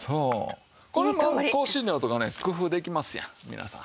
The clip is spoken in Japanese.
これも香辛料とかね工夫できますやん皆さん。